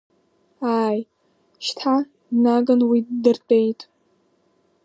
Ааи, шьҭа, днаган уа ддыртәеит…